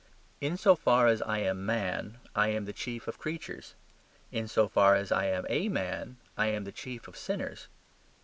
In so far as I am Man I am the chief of creatures. In so far as I am a man I am the chief of sinners.